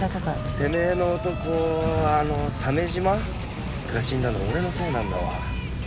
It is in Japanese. てめぇの男あの鮫島？が死んだの俺のせいなんだわ。